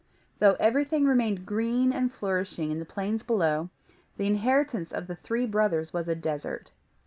Though everything remained green and flourishing in the plains below, the inheritance of the Three Brothers was a desert.